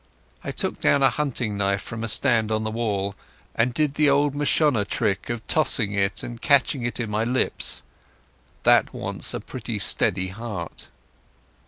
I took down a hunting knife from a stand on the wall, and did the old Mashona trick of tossing it and catching it in my lips. That wants a pretty steady heart.